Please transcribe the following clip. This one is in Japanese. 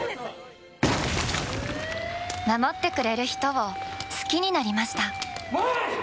守ってくれる人を好きになりました。